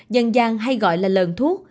dần dàng hay gọi là lờn thuốc